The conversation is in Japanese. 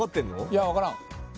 いや分からん。